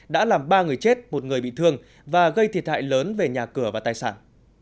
đã làm ba người chết một người bị thương và gây thiệt hại lớn về nhà cửa và tài sản